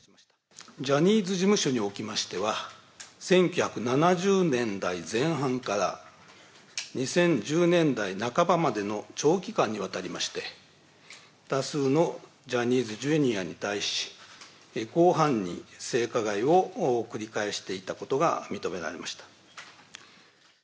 ジャニーズ事務所におきましては、１９７０年代前半から２０１０年代半ばまでの長期間にわたりまして、多数のジャニーズＪｒ．に対し、広範に性加害を繰り返していたことが認められました。